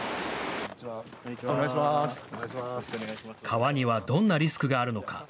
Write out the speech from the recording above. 川にはどんなリスクがあるのか。